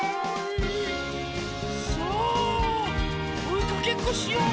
さあおいかけっこしよう！